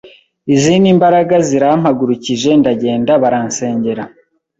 izindi mbaraga zirampagurukije ndagenda baransengera